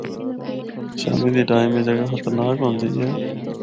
شامی دے ٹائم اے جگہ خطرناک ہوندی ہے۔